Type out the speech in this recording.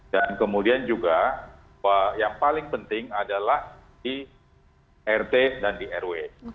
dan kemudian juga yang paling penting adalah di rt dan di rw